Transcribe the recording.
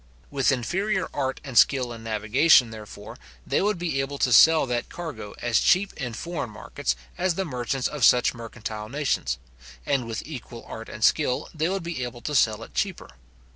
With inferior art and skill in navigation, therefore, they would be able to sell that cargo as cheap in foreign markets as the merchants of such mercantile nations; and with equal art and skill they would be able to sell it cheaper.